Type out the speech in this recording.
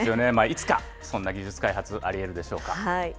いつかそんな技術開発ありえるでしょうか。